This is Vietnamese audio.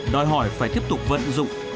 đòi hỏi phải tiếp tục vận dụng